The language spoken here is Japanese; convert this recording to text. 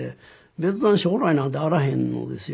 別段将来なんてあらへんのですよ。